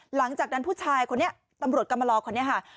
หลังจากนั้นผู้ชายคนนี้ตำรวจกรรมลอคนนี้ค่ะ